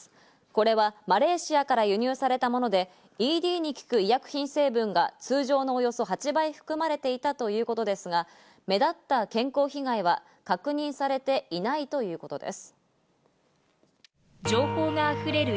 これはマレーシアから輸入されたもので、ＥＤに効く医薬品成分が通常のおよそ８倍含まれていたということですが、目立った健康被お天気です。